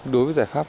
đối với giải pháp